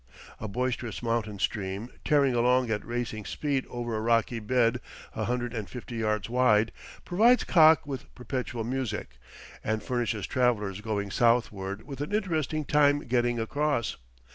A boisterous mountain stream, tearing along at racing speed over a rocky bed a hundred and fifty yards wide, provides Kakh with perpetual music, and furnishes travellers going southward with an interesting time getting across.